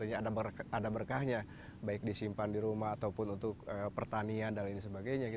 ada berkahnya baik disimpan di rumah ataupun untuk pertanian dan lain sebagainya